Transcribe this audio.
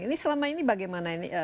ini selama ini bagaimana ini